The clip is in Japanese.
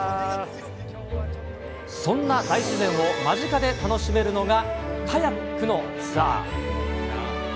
そんな大自然を間近で楽しめるのが、カヤックのツアー。